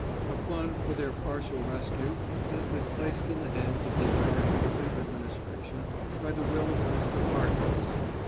A fund for their partial rescue has been placed in the hands of the American Relief Administration by the will of Mr. Harkness.